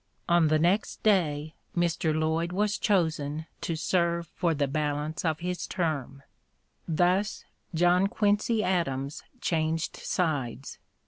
On the next day Mr. Lloyd was chosen to serve for the balance of his term. Thus John Quincy Adams changed sides.